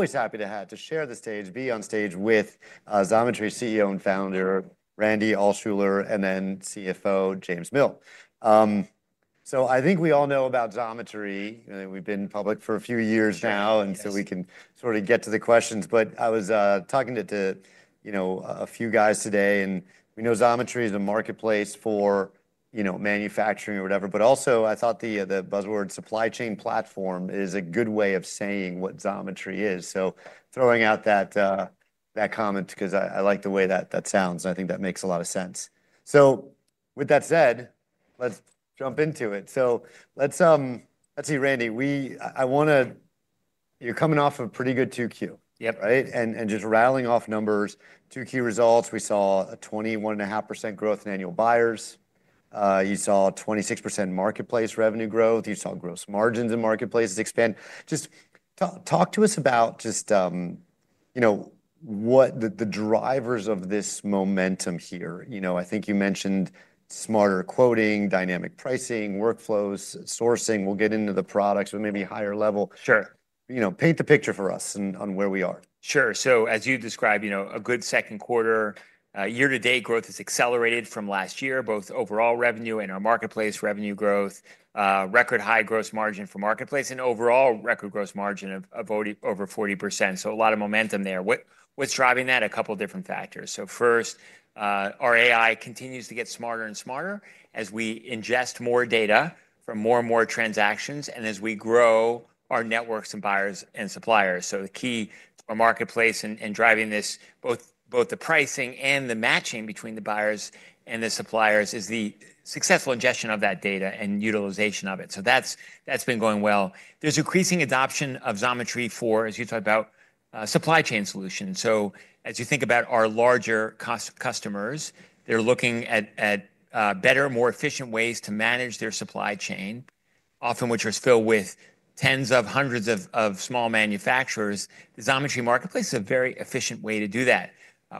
Always happy to to share the stage, be on stage with, Xometry CEO and founder, Randy Allschuler, and then CFO, James Mill. So I think we all know about Xometry. I think we've been public for a few years now, and so we can sort of get to the questions. But I was, talking to to, you know, a few guys today, and we know Xometry is a marketplace for, you know, manufacturing or whatever. But, also, I thought the, the buzzword supply chain platform is a good way of saying what Xometry is. So throwing out that, that comment because I I like the way that that sounds. I think that makes a lot of sense. So with that said, let's jump into it. So let's, let's see, Randy. We I wanna you're coming off of a pretty good 2Q, And just rattling off numbers, 2Q results, we saw a 21.5% growth in annual buyers. You saw a 26% marketplace revenue growth. You saw gross margins in marketplaces expand. Just talk to us about just, you know, what the the drivers of this momentum here. You know, I think you mentioned smarter quoting, dynamic pricing, workflows, sourcing. We'll get into the products with maybe higher level. Sure. You know, paint the picture for us on on where we are. Sure. So as you described, you know, a good second quarter. Year to date growth has accelerated from last year, both overall revenue and our marketplace revenue growth, record high gross margin for marketplace, and overall record gross margin of of over 40%. So a lot of momentum there. What what's driving that? A couple of different factors. So first, our AI continues to get smarter and smarter as we ingest more data from more and more transactions and as we grow our networks and buyers and suppliers. So the key marketplace in in driving this, both both the pricing and the matching between the buyers and the suppliers, is the successful ingestion of that data and utilization of it. So that's that's been going well. There's increasing adoption of Xometry for, as you talk about, supply chain solutions. So as you think about our larger cost customers, they're looking at at, better, more efficient ways to manage their supply chain, often which are still with tens of hundreds of of small manufacturers. The Xometry marketplace is a very efficient way to do that.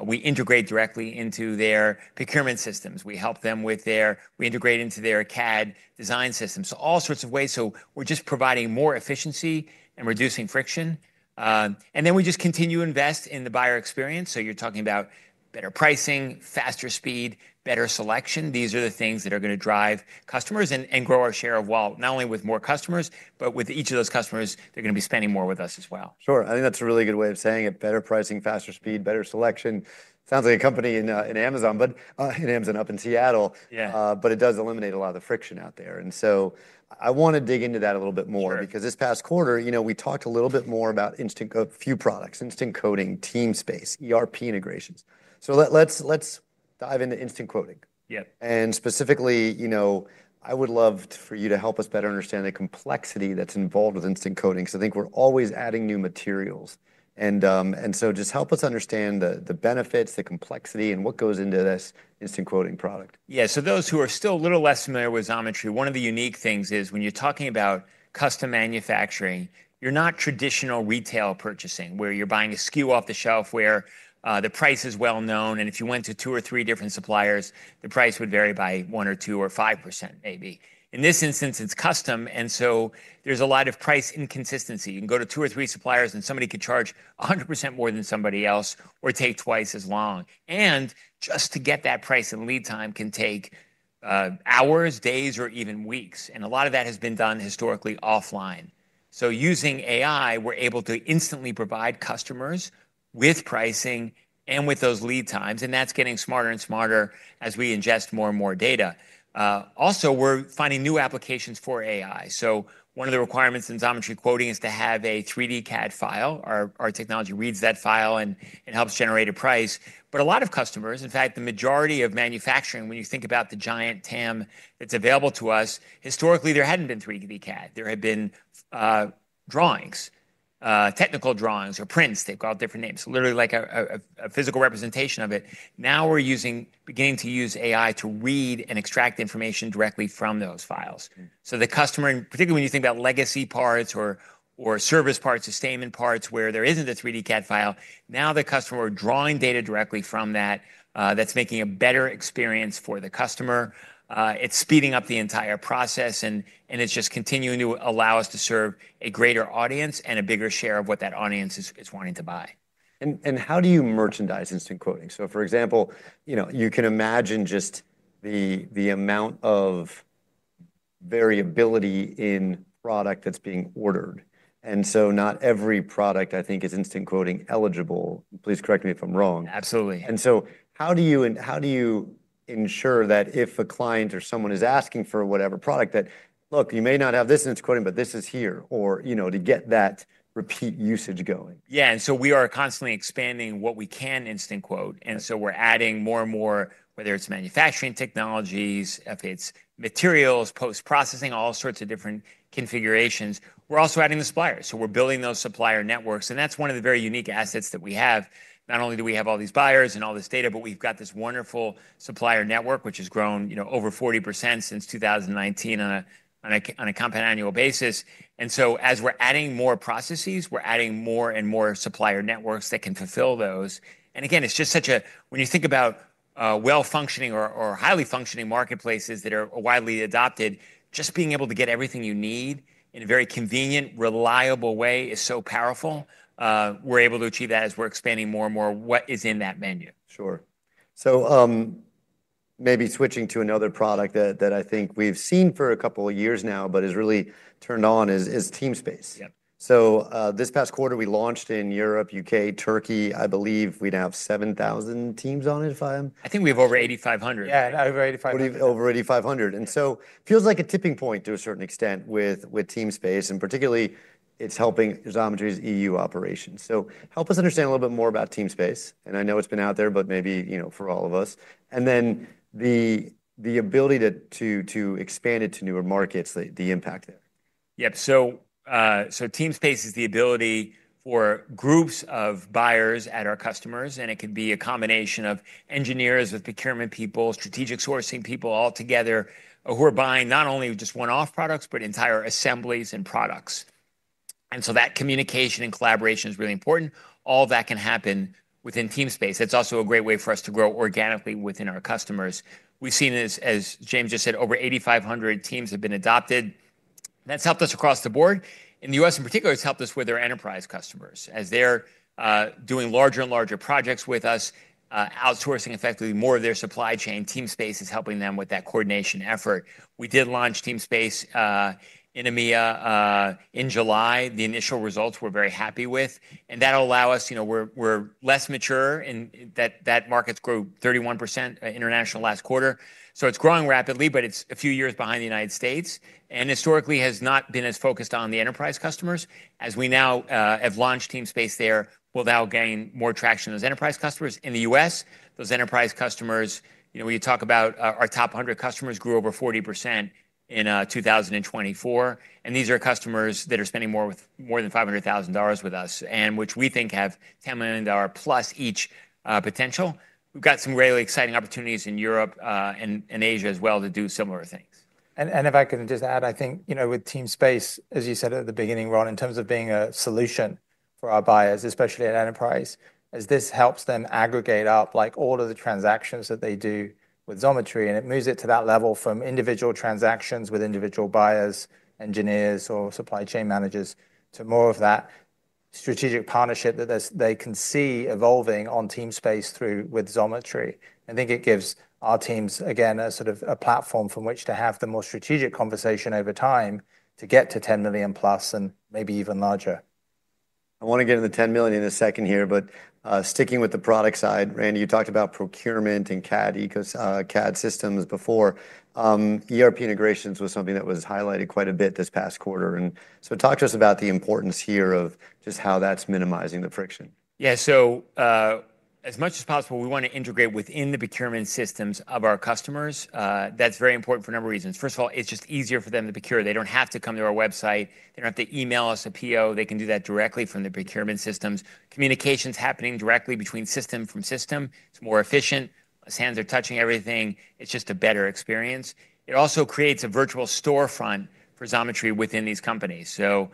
We integrate directly into their procurement systems. We help them with their we integrate into their CAD design systems. So all sorts of ways. So we're just providing more efficiency and reducing friction. And then we just continue to invest in the buyer experience. So you're talking about better pricing, faster speed, better selection. These are the things that are gonna drive customers and and grow our share of wallet, not only with more customers, but with each of those customers, they're gonna be spending more with us as well. Sure. I think that's a really good way of saying it. Better pricing, faster speed, better selection. Sounds like a company in in Amazon, but in Amazon up in Seattle. Yeah. But it does eliminate a lot of friction out there. And so I wanna dig into that a little bit more because this past quarter, you know, we talked a little bit more about instant few products, instant coding, TeamSpace, ERP integrations. So let let's let's dive into instant quoting. And specifically, I would love for you to help us better understand the complexity that's involved with instant coding, because I think we're always adding new materials. So just help us understand the benefits, complexity, and what goes into this instant quoting product. Yeah. So those who are still a little less familiar with Xometry, one of the unique things is when you're talking about custom manufacturing, you're not traditional retail purchasing, where you're buying a SKU off the shelf where the price is well known. And if you went to two or three different suppliers, the price would vary by one or two or 5% maybe. In this instance, it's custom, and so there's a lot of price inconsistency. You can go to two or three suppliers and somebody could charge a 100% more than somebody else or take twice as long. And just to get that price and lead time can take, hours, days, or even weeks, and a lot of that has been done historically offline. So using AI, we're able to instantly provide customers with pricing and with those lead times, and that's getting smarter and smarter as we ingest more and more data. Also, we're finding new applications for AI. So one of the requirements in Xometry quoting is to have a three d CAD file. Our our technology reads that file and it helps generate a price. But a lot of customers, in fact, the majority of manufacturing, when you think about the giant TAM that's available to us, historically, there hadn't been three d CAD. There had been, drawings, technical drawings or prints. They've got different names. Literally, like a a a physical representation of it. Now we're using beginning to use AI to read and extract information directly from those files. So the customer particularly when you think about legacy parts or or service parts, sustainment parts where there isn't a three d CAD file, Now the customer drawing data directly from that, that's making a better experience for the customer. It's speeding up the entire process, and and it's just continuing to allow us to serve a greater audience and a bigger share of what that audience is is wanting to buy. And and how do you merchandise instant quoting? So, for example, you know, you can imagine just the the amount of variability in product that's being ordered. And so not every product, I think, is instant quoting eligible. Please correct me if I'm wrong. Absolutely. And so how do you ensure that if a client or someone is asking for whatever product that, look, you may not have this instant quoting, but this is here, or to get that repeat usage going. Yeah. And so we are constantly expanding what we can instant quote. And so we're adding more and more, whether it's manufacturing technologies, if it's materials, post processing, all sorts of different configurations, we're also adding the suppliers. So we're building those supplier networks. And that's one of the very unique assets that we have. Not only do we have all these buyers and all this data, but we've got this wonderful supplier network, has grown over 40% since 2019 on a compound annual basis. And so as we're adding more processes, we're adding more and more supplier networks that can fulfill those. And, it's just such a when you think about, well functioning or or highly functioning marketplaces that are widely adopted, just being able to get everything you need in a very convenient, reliable way is so powerful. We're able to achieve that as we're expanding more and more what is in that menu. Sure. So maybe switching to another product that I think we've seen for a couple years now, but has really turned on is is Team Space. Yep. So, this past quarter we launched in Europe, UK, Turkey. I believe we now have 7,000 teams on it, if I am I think we have over 8,500. Yeah. Over 8,500. Over 8,500. And so feels like a tipping point to a certain extent with with TeamSpace, and particularly, it's helping Xometry's EU operations. So help us understand a little bit more about TeamSpace. And I know it's been out there, but maybe, you know, for all of us. And then the the ability to to to expand it to newer markets, the the impact there. Yep. So, so TeamSpace is the ability for groups of buyers at our customers, and it could be a combination of engineers with procurement people, strategic sourcing people altogether, who are buying not only just one off products, but entire assemblies and products. And so that communication and collaboration is really important. All that can happen within TeamSpace. It's also a great way for us to grow organically within our customers. We've seen this, as James just said, over 8,500 teams have been adopted. That's helped us across the board. In The US, in particular, it's helped us with their enterprise as they're, doing larger and larger projects with us, outsourcing effectively more of their supply chain. TeamSpace is helping them with that coordination effort. We did launch TeamSpace in EMEA, in July. The initial results we're very happy with. And that will allow us we're less mature and that markets grew 31% international last quarter. So it's growing rapidly, but it's a few years behind The United States. And historically has not been as focused on the enterprise customers as we now have launched TeamSpace there we'll now gain more traction in those enterprise customers. In The U. S, those enterprise customers, when you talk about our top 100 customers grew over 40% in 2024. And these are customers that are spending more than $500,000 with us, and which we think have $10,000,000 plus each potential. We've got some really exciting opportunities in Europe and Asia as well-to-do similar things. And if I can just add, think with Team Space, as you said at the beginning, Ron, in terms of being a solution for our buyers, especially at enterprise, as this helps them aggregate up like all of the transactions that they do with Xometry and it moves it to that level from individual transactions with individual buyers, engineers or supply chain managers to more of that strategic partnership that they can see evolving on team space through with Xometry. I think it gives our teams again a sort of a platform from which to have the most strategic conversation over time to get to 10,000,000 plus and maybe even larger. I want to get to the $10,000,000 in a second here. But sticking with the product side, Randy, you talked about procurement and CAD systems before. ERP integrations was something that was highlighted quite a bit this past quarter. And so talk to us about the importance here of just how that's minimizing the friction. Yes. So as much as possible, we want to integrate within the procurement systems of our customers. That's very important for a number of reasons. First of all, it's just easier for them to procure. They don't have to come to our website. They don't have to email us a PO. They can do that directly from the procurement systems. Communications happening directly between system from system. It's more efficient. Sands are touching everything. It's just a better experience. It also creates a virtual storefront for Xometry within these companies. So,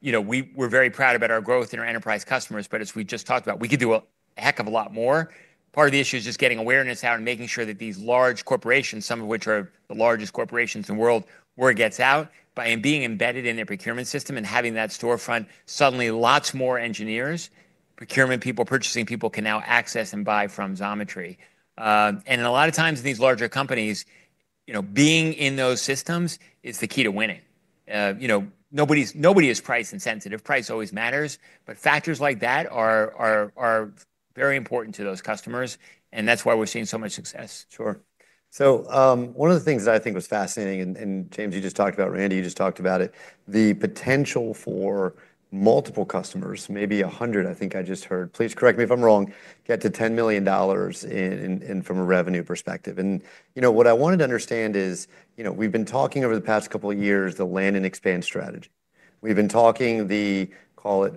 you know, we we're very proud about our growth in our enterprise customers. But as we just talked about, we could do a heck of a lot more. Part of the issue is just getting awareness out and making sure that these large corporations, some of which are the largest corporations in the world, gets out. By being embedded in their procurement system and having that storefront, suddenly lots more engineers, procurement people, purchasing people can now access and buy from Xometry. And in a lot of times, these larger companies, you know, being in those systems is the key to winning. You know, nobody's nobody is price insensitive. Price always matters. But factors like that are are are very important to those customers, and that's why we're seeing so much success. Sure. So one of the things that I think was fascinating, and James, you just talked about it, Randy, you just talked about it, the potential for multiple customers, maybe 100, I think I just heard, please correct me if I'm wrong, get to $10,000,000 from a revenue perspective. And what I wanted to understand is we've been talking over the past couple of years the land and expand strategy. We've been talking the call it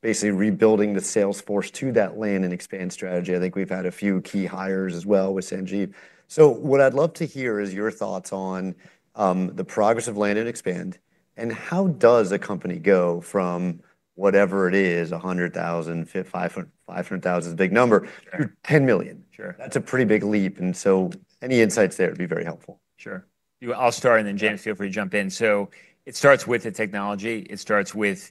basically rebuilding the sales force to that land and expand strategy. I think we've had a few key hires as well with Sanjeev. So what I'd love to hear is your thoughts on, the progress of land and expand. And how does a company go from whatever it is, 100,000, 5,000 is a big number, to 10,000,000. Sure. That's a pretty big leap. And so any insights there would be very helpful. Sure. I'll start, then James, feel free to jump in. So it starts with the technology. It starts with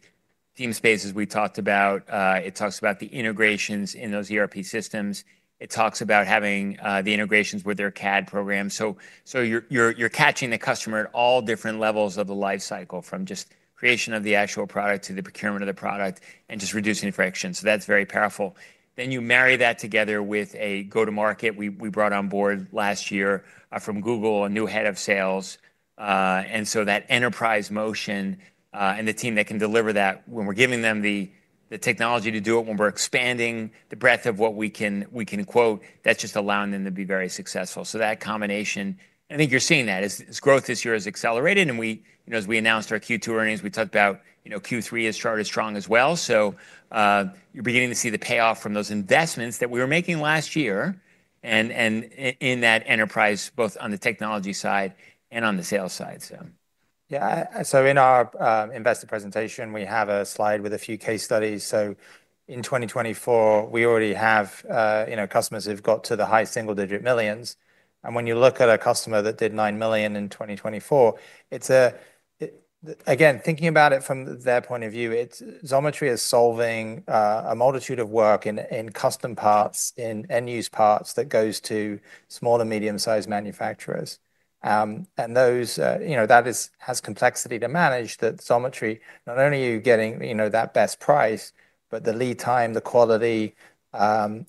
TeamSpace, as we talked about. It talks about the integrations in those ERP systems. It talks about having, the integrations with their CAD program. So so you're you're you're catching the customer at all different levels of the life cycle from just creation of the actual product to the procurement of the product and just reducing friction. So that's very powerful. Then you marry that together with a go to market. We we brought on board last year, from Google, a new head of sales. And so that enterprise motion, and the team that can deliver that, when we're giving them the the technology to do it, when we're expanding the breadth of what we can quote, that's just allowing them to be very successful. So that combination, I think you're seeing that as growth this year has accelerated. And as we announced our Q2 earnings, we talked about Q3 has started strong as well. So you're beginning to see the payoff from those investments that we were making last year and in that enterprise both on the technology side and on the sales side. Yes. So in our investor presentation, we have a slide with a few case studies. So in 2024, we already have customers who've got to the high single digit millions. And when you look at a customer that did 9,000,000 in 2024, it's again thinking about it from their point of view, Xometry is solving a multitude of work in custom parts, in end use parts that goes to small and medium sized manufacturers. And those, you know, that is has complexity to manage that Xometry not only you getting, you know, that best price but the lead time, the quality, and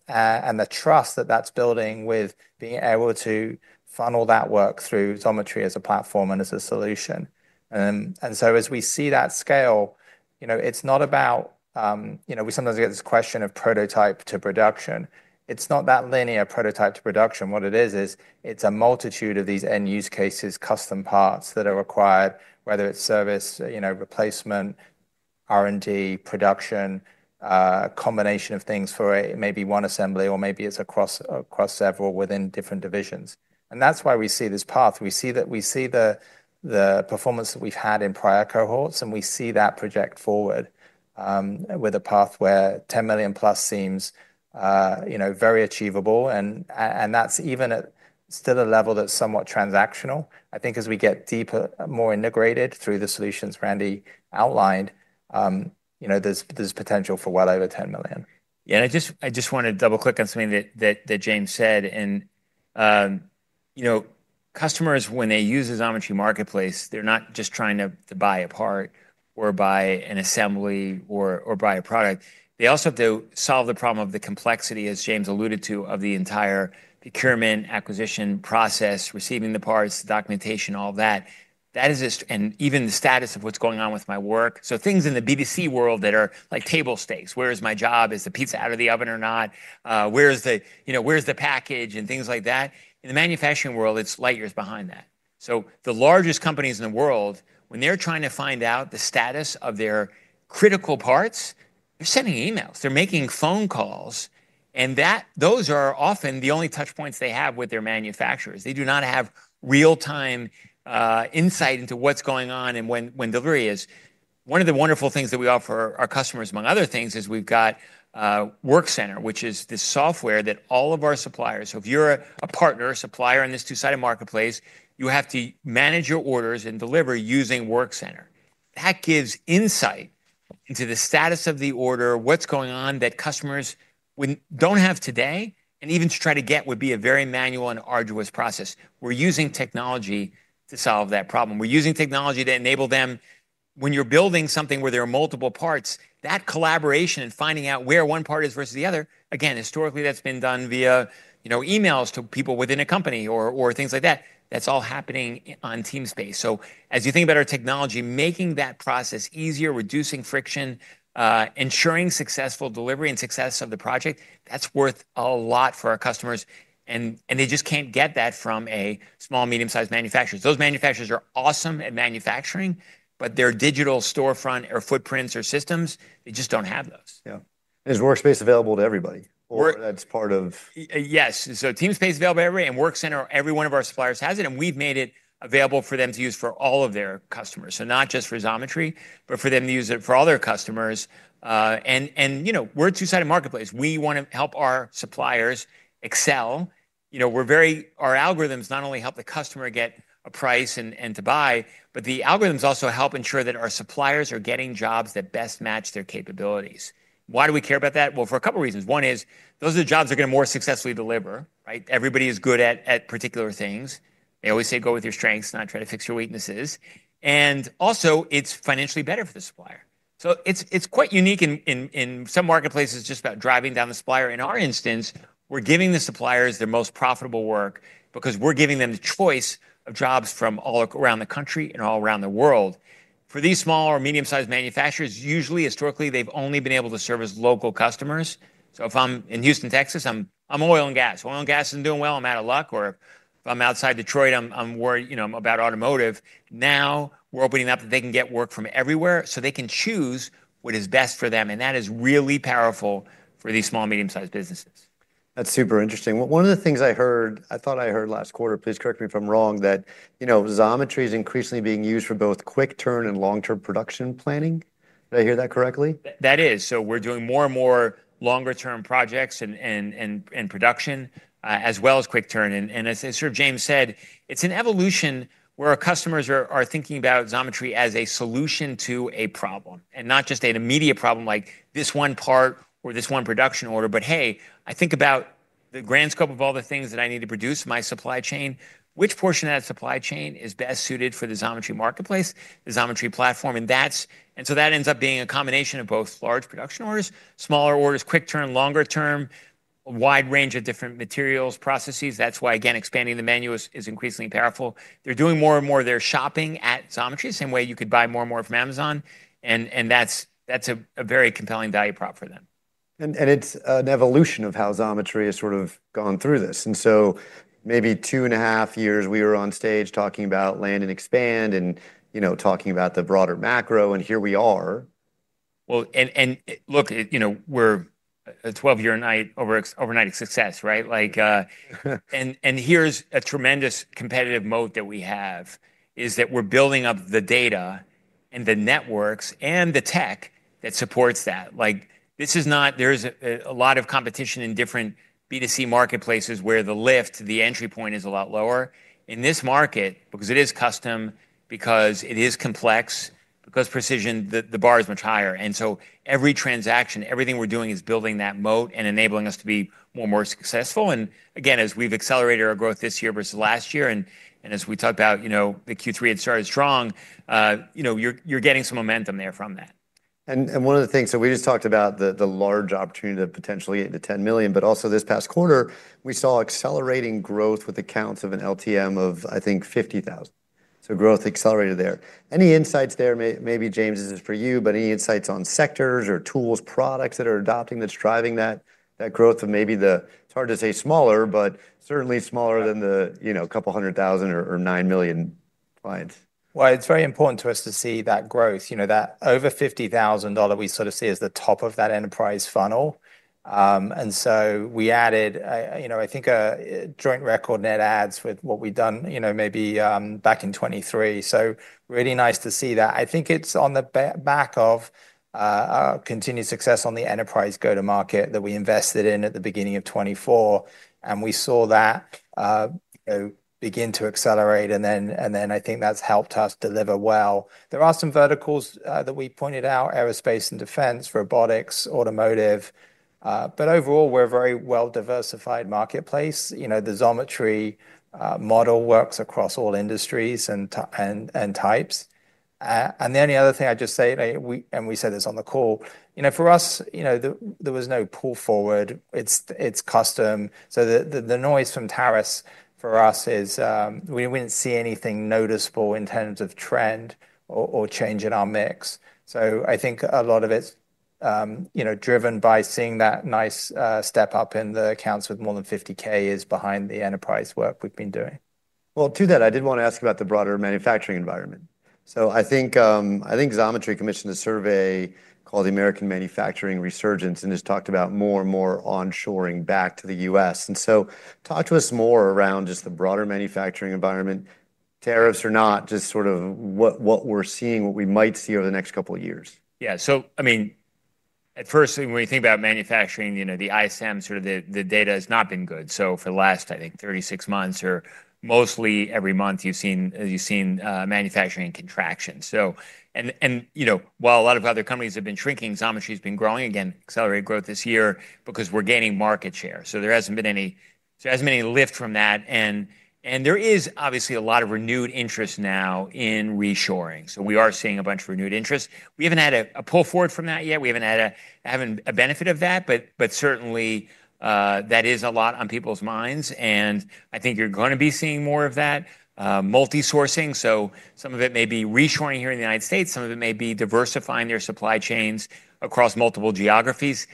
the trust that that's building with being able to funnel that work through Xometry as a platform and as a solution. And so as we see that scale, it's not about we sometimes get this question of prototype to production. It's not that linear prototype to production. What it is is it's a multitude of these end use cases, custom parts that are required whether it's service, replacement, R and D, production, combination of things for it, maybe one assembly or maybe it's across several within different divisions. And that's why we see this path. We see the performance that we've had in prior cohorts and we see that project forward with a path where 10,000,000 plus seems very achievable and that's even at still a level that's somewhat transactional. Think as we get deeper, more integrated through the solutions Randy outlined, you know, there's there's potential for well over 10,000,000. Yeah. I just I just wanna double click on something that that that James said. And, you know, customers, when they use the Xometry marketplace, they're not just trying to to buy a part or buy an assembly or or buy a product. They also have to solve the problem of the complexity, as James alluded to, of the entire procurement acquisition process, receiving the parts, documentation, all that. That is just and even the status of what's going on with my work. So things in the BBC world that are like table stakes. Where is my job? Is the pizza out of the oven or not? Where is the, you know, where is the package and things like that? In the manufacturing world, it's light years behind that. So the largest companies in the world, when they're trying to find out the status of their critical parts, they're sending emails. They're making phone calls. And those are often the only touch points they have with their manufacturers. They do not have real time, insight into what's going on and when when delivery is. One of the wonderful things that we offer our customers, among other things, is we've got, WorkCenter, which is the software that all of our suppliers so if you're a partner, supplier in this two sided marketplace, you have to manage your orders and deliver using WorkCenter. That gives insight into the status of the order, what's going on that customers wouldn't don't have today, and even to try to get would be a very manual and arduous process. We're using technology to solve that problem. We're using technology to enable them. When you're building something where there are multiple parts, that collaboration and finding out where one part is versus the other, again, historically, that's been done via emails to people within a company or things like that. That's all happening on TeamSpace. So as you think about our technology, making that process easier, reducing friction, ensuring successful delivery and success of the project, that's worth a lot for our customers. And and they just can't get that from a small, medium sized manufacturer. Those manufacturers are awesome at manufacturing, but their digital storefront or footprints or systems, they just don't have those. Yeah. Is Workspace available to everybody? Or that's part of Yes. So Teamspace is available to everybody. And Workspace, every one of our suppliers has it. And we've made it available for them to use for all of their customers. So not just for Xometry, but for them to use it for all their customers. And and, you know, we're a two sided marketplace. We wanna help our suppliers excel. You know, we're very our algorithms not only help the customer get a price and and to buy, but the algorithms also help ensure that our suppliers are getting jobs that best match their capabilities. Why do we care about that? Well, for a couple of reasons. One is those are the jobs that gonna more successfully deliver. Right? Everybody is good at at particular things. They always say go with your strengths, not try to fix your weaknesses. And, also, it's financially better for the supplier. So it's it's quite unique in in in some marketplaces just about driving down the supplier. In our instance, we're giving the suppliers the most profitable work because we're giving them the choice of jobs from all around the country and all around the world. For these small or medium sized manufacturers, usually, historically, they've only been able to service local customers. So if I'm in Houston, Texas, I'm oil and gas. Oil and gas isn't doing well. I'm out of luck. Or if I'm outside Detroit, I'm I'm worried you know, I'm about automotive. Now we're opening up that they can get work from everywhere so they can choose what is best for them. And that is really powerful for these small, medium sized businesses. That's super interesting. One of the things I heard I thought I heard last quarter, please correct me if I'm wrong, that Xometry is increasingly being used for both quick turn and long term production planning. Did I hear that correctly? That is. So we're doing more and more longer term projects and production, as well as quick turn. And as James said, it's an evolution where our customers are thinking about Xometry as a solution to a problem, and not just an immediate problem like this one part or this one production order. But hey, I think about the grand scope of all the things that I need to produce in my supply chain. Which portion of that supply chain is best suited for the Xometry marketplace, the Xometry platform? And that's and so that ends up being a combination of both large production orders, smaller orders, quick term, longer term, a wide range of different materials, processes. That's why, again, expanding the menu is is increasingly powerful. They're doing more and more of their shopping at Xometry, same way you could buy more and more from Amazon. And and that's that's a a very compelling value prop for them. And it's an evolution of how Xometry has sort of gone through this. And so maybe two and a half years we were on stage talking about land and expand and talking about the broader macro, and here we are. Well, and look, we're a twelve year night overnight success. Right? And here's a tremendous competitive moat that we have, is that we're building up the data and the networks and the tech that supports that. Like, this is not there is a lot of competition in different B2C marketplaces where the lift, the entry point is a lot lower. In this market, because it is custom, because it is complex, because precision, the bar is much higher. And so every transaction, everything we're doing is building that moat and enabling us to be more and more successful. And again, as we've accelerated our growth this year versus last year and as we talked about the Q3 had started strong, you're getting some momentum there from that. And one of the things, so we just talked about the large opportunity to potentially get to $10,000,000 But also this past quarter, we saw accelerating growth with accounts of an LTM of, I think, 50,000. So growth accelerated there. Any insights there? Maybe James, this is for you, but any insights on sectors or tools, products that are adopting that's driving that growth of maybe the it's hard to say smaller, but certainly smaller than the couple 100,000 or 9,000,000 clients. Well, it's very important to us to see that growth. Over $50,000 we sort of see as the top of that enterprise funnel. And so we added, I think, a joint record net adds with what we've done maybe back in '23. So really nice to see that. I think it's on the back of continued success on the enterprise go to market that we invested in at the beginning of 2024 and we saw that begin to accelerate and then I think that's helped us deliver well. Are some verticals that we pointed out aerospace and defense, robotics, automotive, but overall we're very well diversified marketplace. You know, the geometry model works across all industries and and and types. And the only other thing I just say that we and we said this on the call. You know, for us, you know, there there was no pull forward. It's it's custom. So the the the noise from tariffs for us is we didn't see anything noticeable in terms of trend or change in our mix. So I think a lot of it's driven by seeing that nice step up in the accounts with more than 50 k is behind the enterprise work we've been doing. Well, to that I did wanna ask about the broader manufacturing environment. So I think Xometry commissioned a survey called the American Manufacturing Resurgence and has talked about more and more onshoring back to The U. S. And so talk to us more around just the broader manufacturing environment, tariffs or not, just sort of what what we're seeing, what we might see over the next couple of years. Yeah. So I mean, at first thing, when you think about manufacturing, you know, the ISM sort of the the data has not been good. So for the last, I think, thirty six months or mostly every month, you've seen you've seen manufacturing contraction. So and and, you know, while a lot of other companies have been shrinking, Xometry has been growing again, accelerated growth this year because we're gaining market share. So there hasn't been any there hasn't been lift from that. And there is obviously a lot of renewed interest now in reshoring. So we are seeing a bunch of renewed interest. We haven't had a pull forward from that yet. We haven't had a benefit of that. But certainly, that is a lot on people's minds. And I think you're going to be seeing more of that multi sourcing. So some of it may be reshoring here in The United States. Some of it may be diversifying their supply chains across multiple geographies.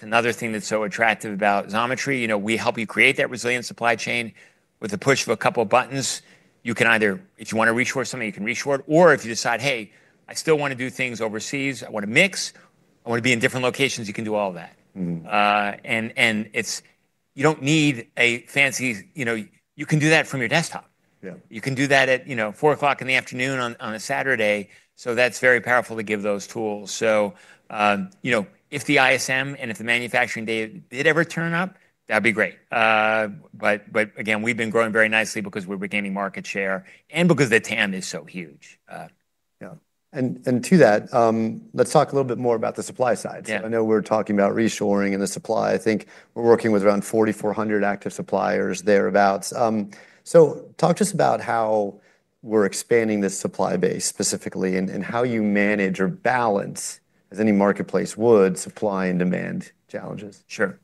Another thing that's so attractive about Xometry, we help you create that resilient supply chain with a push of a couple of buttons. You can either if you want to reshor something, you can reshor it. Or if you decide, hey, I still want to do things overseas. I want to mix. I wanna be in different locations. You can do all that. Mhmm. And and it's you don't need a fancy you know, you can do that from your desktop. Yeah. You can do that at, you know, 04:00 in the afternoon on on a Saturday. So that's very powerful to give those tools. So if the ISM and if the manufacturing data did ever turn up, that'd be great. But again, we've been growing very nicely because we're regaining market share and because the TAM is so huge. Yeah. And to that, let's talk a little bit more about the supply side. So I know we're talking about reshoring and the supply. I think we're working with around 4,400 active suppliers thereabouts. So talk to us about how we're expanding this supply base specifically and how you manage or balance, as any marketplace would, supply and demand challenges. Sure.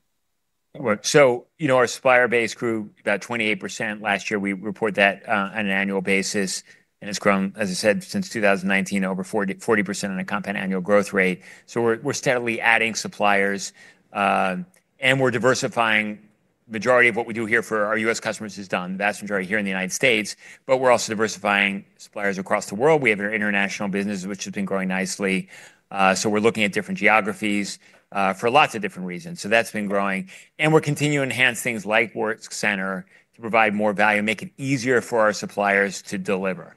So our supplier base grew about 28% last year. We report that on an annual basis, and it's grown, as I said, since 2019, over 40% on a compound annual growth rate. So we're steadily adding suppliers, and we're diversifying majority of what we do here for our U. S. Customers has done vast majority here in The United States, But we're also diversifying suppliers across the world. We have our international business, which has been growing nicely. So we're looking at different geographies for lots of different reasons. So that's been growing. And we're continuing to enhance things like work center to provide more value, make it easier for our suppliers to deliver.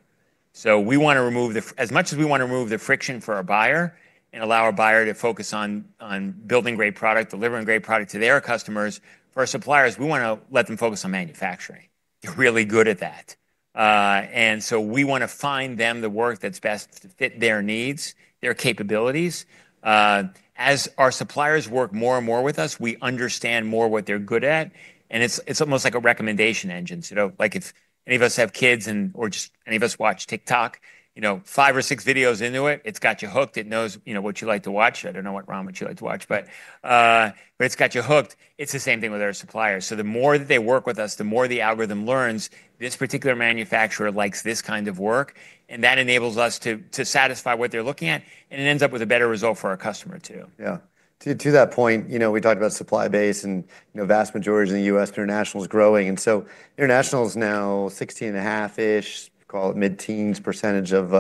So we wanna remove the as much as we wanna remove the friction for our buyer and allow our buyer to focus on on building great product, delivering great product to their customers, For our suppliers, we want to let them focus on manufacturing. They're really good at that. And so we want to find them the work that's best to fit their needs, their capabilities. As our suppliers work more and more with us, we understand more what they're good at. And it's it's almost like a recommendation engine. So, know, like, if any of us have kids and or just any of us watch TikTok, you know, five or six videos into it, it's got you hooked. It knows, you know, what you like to watch. I don't know what Ramad you like to watch, but, but it's got you hooked. It's the same thing with our suppliers. So the more that they work with us, the more the algorithm learns this particular manufacturer likes this kind of work, and that enables us to to satisfy what they're looking at, and it ends up with a better result for our customer too. Yeah. To to that point, you know, we talked about supply base and, vast you majority of The U. International is growing. And so international is now 16.5 ish, call it mid teens percentage of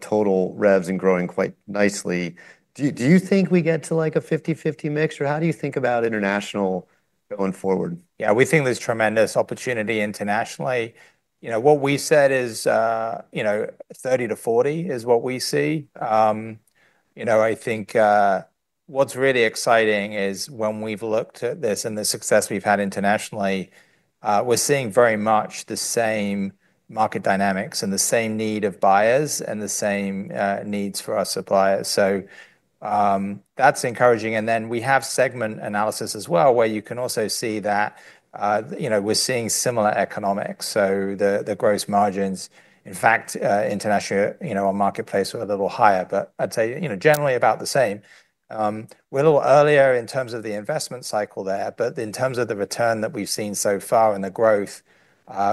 total revs and growing quite nicely. Do you think we get to like a fiftyfifty mix? Or how do you think about international going forward? Yeah. We think there's tremendous opportunity internationally. You know, what we said is, you know, 30 to 40 is what we see. You know, I think what's really exciting is when we've looked at this and the success we've had internationally, we're seeing very much the same market dynamics and the same need of buyers and the same needs for our suppliers. So that's encouraging. And then we have segment analysis as well where you can also see that we're seeing similar economics. So the gross margins in fact international marketplace were a little higher, but I'd say generally about the same. We're a little earlier in terms of the investment cycle there, but in terms of the return that we've seen so far in the growth,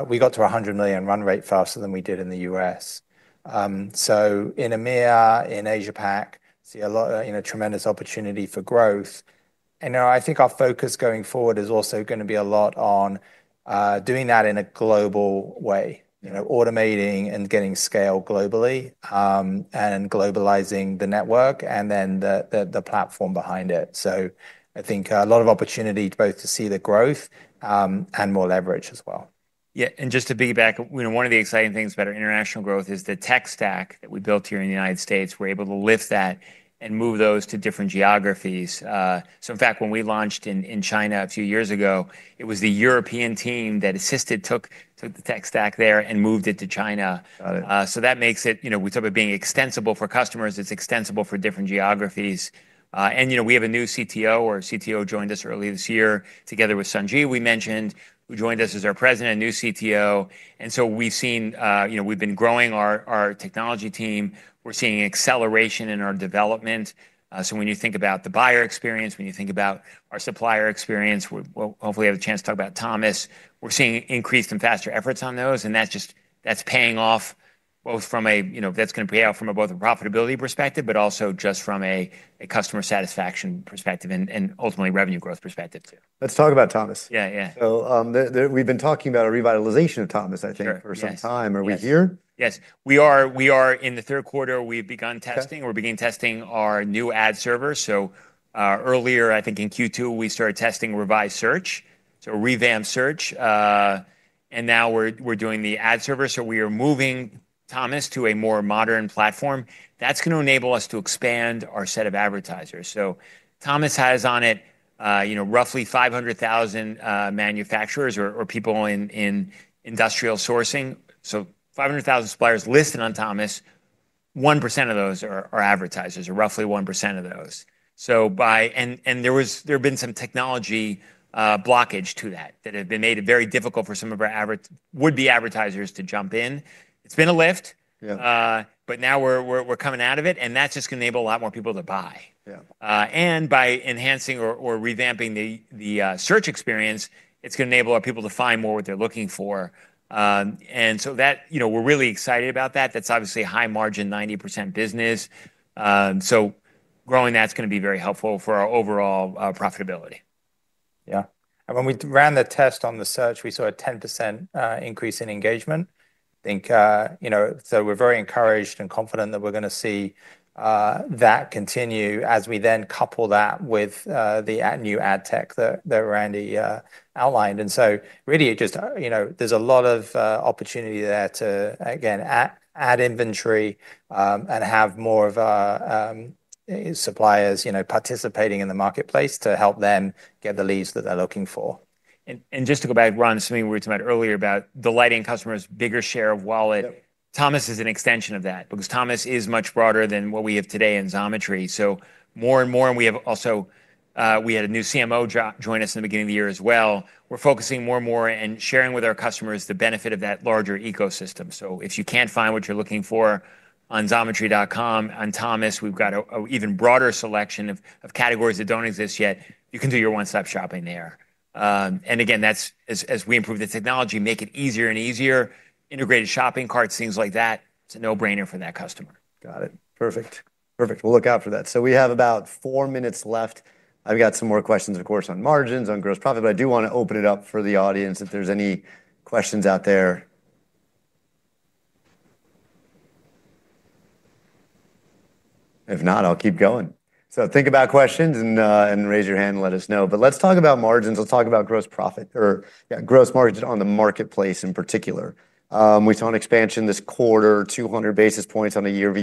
we got to $100,000,000 run rate faster than we did in The U. S. So in EMEA, in Asia Pac, see a lot of tremendous opportunity for growth. And I think our focus going forward is also going to be a lot on doing that in a global way, automating and getting scale globally and globalizing the network and then platform behind it. So I think a lot of opportunity both to see the growth and more leverage as well. Yeah. And just to be back, one of the exciting things about our international growth is the tech stack we built here in The United States. We're able to lift that and move those to different geographies. So in fact, when we launched in China a few years ago, it was the European team that assisted took the tech stack there and moved it to China. Got it. So that makes it know, we talk about being extensible for customers. It's extensible for different geographies. And, you know, we have a new CTO. Our CTO joined us early this year together with Sunji, we mentioned, who joined us as our president, new CTO. And so we've seen we've been growing our technology team. We're seeing acceleration in our development. So when you think about the buyer experience, when you think about our supplier experience, we'll hopefully have a chance to talk about Thomas. We're seeing increased and faster efforts on those. And that's just that's paying off both from a that's going pay out from both a profitability perspective, but also just from a customer satisfaction perspective and ultimately revenue growth perspective too. Let's talk about Thomas. Yes. Yes. So we've been talking about a revitalization of Thomas, I think, Are for some we here? Yes. We are we are in the third quarter. We've begun testing. We're beginning testing our new ad servers. So, earlier, I think in q two, we started testing revised search, so revamped search. And now we're we're doing the ad service, so we are moving Thomas to a more modern platform. That's gonna enable us to expand our set of advertisers. So Thomas has on it, you know, roughly 500,000, manufacturers or or people in in industrial sourcing. So 500,000 suppliers listed on Thomas. 1% of those are are advertisers or roughly 1% of those. So by and and there was there have been some technology, blockage to that that have been made very difficult for some of our would be advertisers to jump in. It's been a lift. Yeah. But now we're we're we're coming out of it, and that's just gonna enable a lot more people to buy. Yeah. And by enhancing or or revamping the the, search experience, it's gonna enable our people to find more what they're looking for. And so that you know, we're really excited about that. That's obviously a high margin 90% business. So growing that's gonna be very helpful for our overall profitability. Yeah. When we ran the test on the search, we saw a 10% increase in engagement. I think, you know so we're very encouraged and confident that we're gonna see that continue as we then couple that with the new ad tech that that Randy outlined. And so really it just there's a lot of opportunity there to again add inventory and have more of suppliers participating in the marketplace to help them get the leads that they're looking for. And just to go back, Ron, something we talked about earlier about delighting customers' bigger share of wallet. Thomas is an extension of that because Thomas is much broader than what we have today in Xometry. So more and more, and we have also we had a new CMO join us in the beginning of the year as well. We're focusing more and more and sharing with our customers the benefit of that larger ecosystem. So if you can't find what you're looking for on xometry.com, on Thomas, we've got a a even broader selection of categories that don't exist yet. You can do your one stop shopping there. And again, that's as as we improve the technology, make it easier and easier, integrated shopping carts, things like that, it's a no brainer for that customer. Got it. Perfect. Perfect. We'll look out for that. So we have about four minutes left. I've got some more questions, of course, on margins, on gross profit, but I do wanna open it up for the audience if there's any questions out there. If not, I'll keep going. So think about questions and raise your hand and let us know. But let's talk about margins. Let's talk about gross profit or gross margin on the marketplace in particular. We saw an expansion this quarter, 200 basis points on a year over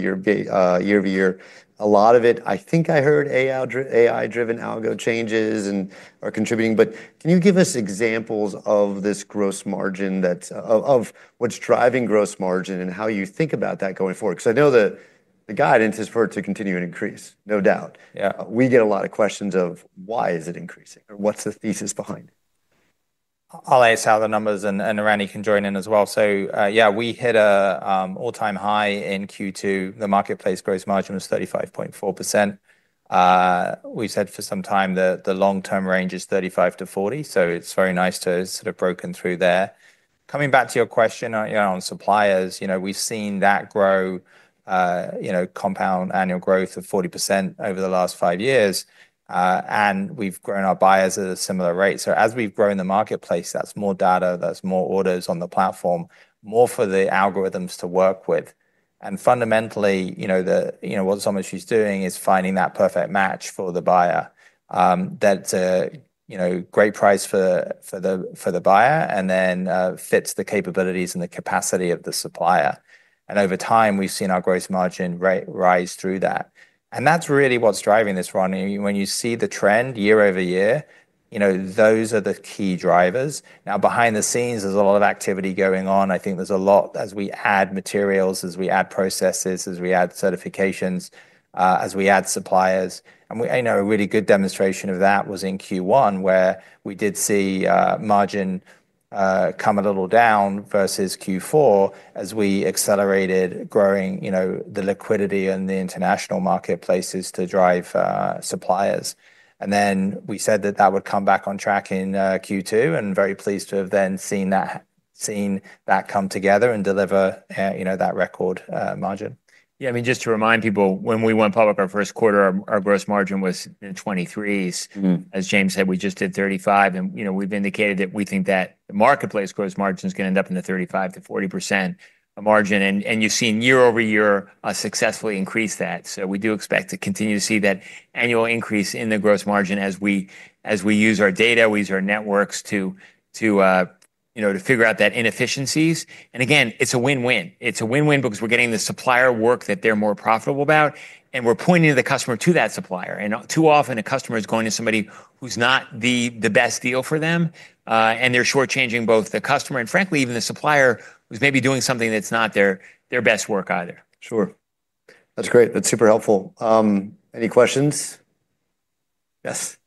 year. A lot of it, I think I heard AI driven algo changes and are contributing. But can you give us examples of this gross margin that's of what's driving gross margin and how you think about that going forward? Because I know the guidance is for it to continue and increase, no doubt. We get a lot of questions of why is it increasing? Or what's the thesis behind it? I'll answer the numbers and Randy can join in as well. So yeah, we hit an all time high in Q2. The marketplace gross margin was 35.4%. We said for some time the long term range is 35% to 40%. So it's very nice to sort of broken through there. Coming back to your question on suppliers, we've seen that grow compound annual growth of 40% over the last five years. And we've grown our buyers at a similar rate. So as we've grown the marketplace, that's more data, that's more orders on the platform, more for the algorithms to work with. And fundamentally, you know, the you know, what some of she's doing is finding that perfect match for the buyer. That's, you know, great price for for the for the buyer and then fits the capabilities and the capacity of the supplier. And over time, we've seen our gross margin rate rise through that. And that's really what's driving this, Ron. When you see the trend year over year, you know, those are the key drivers. Now behind the scenes, there's a lot of activity going on. I think there's a lot as we add materials, as we add processes, as we add certifications, as we add suppliers. And I know a really good demonstration of that was in Q1 where we did see margin come a little down versus Q4 as we accelerated growing the liquidity in the international marketplaces to drive suppliers. And then we said that that would come back on track in Q2 and very pleased to have then seen that come together and deliver that record margin. Yeah. I mean, to remind people, when we went public our first quarter, our gross margin was in 20 threes. As James said, we just did 35. And we've indicated that we think that marketplace gross margin is going end up in the 35% to 40% margin. And you've seen year over year successfully increase that. So we do expect to continue to see that annual increase in the gross margin as we use our data, we use our networks to figure out that inefficiencies. And again, it's a win win. It's a win win because we're getting the supplier work that they're more profitable about, and we're pointing the customer to that supplier. And too often, a customer is going to somebody who's not the best deal for them, and they're shortchanging both the customer and, frankly, even the supplier who's maybe doing something that's not their their best work either. Sure. That's great. That's super helpful. Any questions? Yes.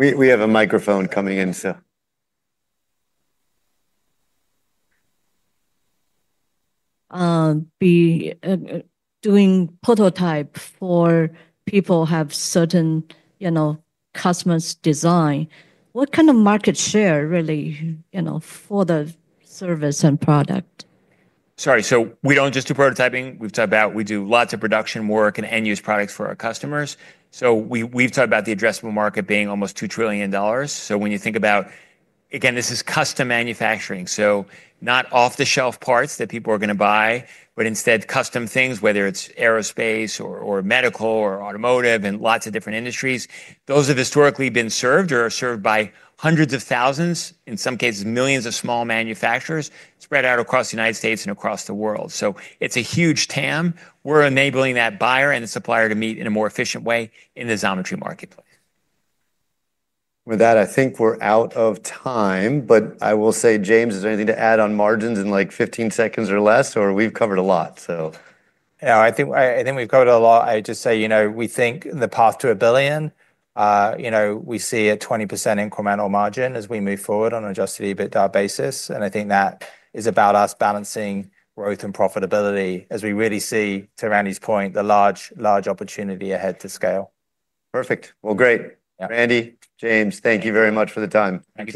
Have a microphone coming in, so. Doing prototype for people who have certain customers' design. What kind of market share really for the service and product? Sorry. So we don't just do prototyping. We've talked about we do lots of production work and end use products for our customers. So we've talked about the addressable market being almost $2,000,000,000,000 So when you think about again, is custom manufacturing. So not off the shelf parts that people are going to buy, but instead custom things, whether it's aerospace or medical or automotive and lots of different industries. Those have historically been served or served by hundreds of thousands, in some cases, millions of small manufacturers spread out across The United States and across the world. So it's a huge TAM. We're enabling that buyer and the supplier to meet in a more efficient way in the Xometry marketplace. With that, I think we're out of time. But I will say, James, is there anything to add on margins in, like, fifteen seconds or less? Or we've covered a lot. So No. I think I I think we've covered a lot. I just say, you know, we think the path to a billion, you know, we see a 20% incremental margin as we move forward on adjusted EBITDA basis. And I think that is about us balancing growth and profitability as we really see to Randy's point, the large, large opportunity ahead to scale. Perfect. Well, great. Randy, James, thank you very much for the time. Thank you.